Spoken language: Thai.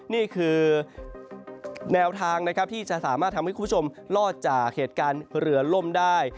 นี่คือแนวทางนะครับที่จะสามารถทำให้คุณผู้ชมรอดจากเหตุการณ์เรือล่มได้